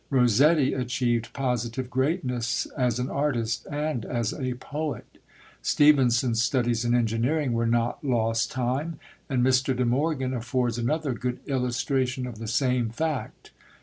Rossetti achieved positive greatness as an artist and as a poet. Stevenson's studies in engineering were not lost time, and Mr. De Morgan affords another good illustration of the same fact.